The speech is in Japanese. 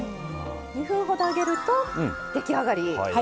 ２分ほど揚げると出来上がり。